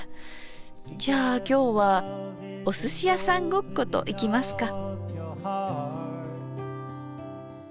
じゃあ今日はおすしやさんごっこといきますか。